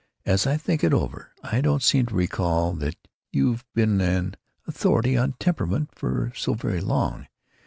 "As I think it over, I don't seem to recall that you've been an authority on temperament for so very long.